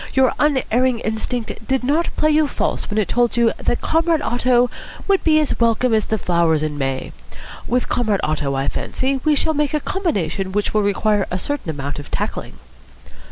"Your unerring instinct did not play you false when it told you that Comrade Otto would be as welcome as the flowers in May. With Comrade Otto I fancy we shall make a combination which will require a certain amount of tackling."